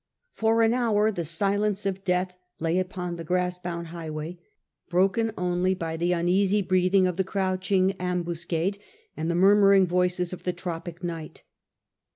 For an hour the silence of death lay upon the grass bound highway, broken only by the uneasy breathing of the crouching ambuscade, and the murmurous voices of the tropic night.